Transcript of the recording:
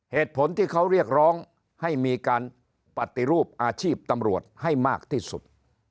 เหตุผลที่เขาเรียกร้องให้มีการปฏิรูปอาชีพตำรวจให้มากที่สุด